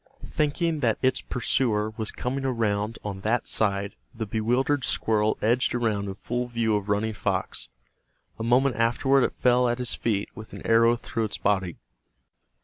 Thinking that its pursuer was coming around on that side the bewildered squirrel edged around in full view of Running Fox. A moment afterward it fell at his feet with an arrow through its body.